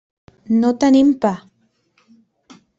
No tenim pa.